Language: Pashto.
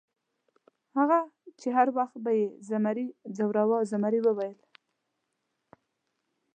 هغه چې هر وخت به یې زمري ځوراوه، زمري وویل.